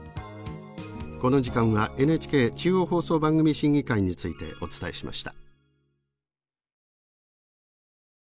この時間はＮＨＫ中央放送番組審議会についてお伝えしました。